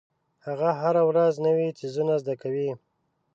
هغه هره ورځ نوې څیزونه زده کوي.